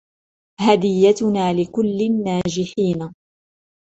هديتنا لكل الناجحين!